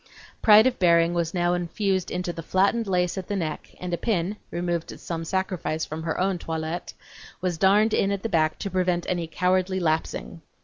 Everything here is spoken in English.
Pride of bearing was now infused into the flattened lace at the neck, and a pin (removed at some sacrifice from her own toilette) was darned in at the back to prevent any cowardly lapsing.